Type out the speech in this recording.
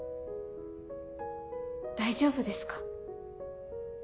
大丈夫ですか？